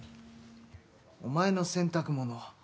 お前の洗濯物